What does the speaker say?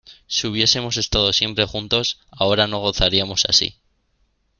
si hubiésemos estado siempre juntos, ahora no gozaríamos así.